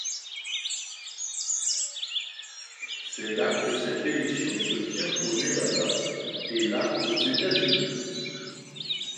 C'est la que cette élection se tient au Nevada, et la aux États-Unis.